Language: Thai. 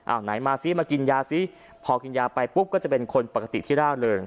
เอาไหนมาซิมากินยาซิพอกินยาไปปุ๊บก็จะเป็นคนปกติที่ร่าเริง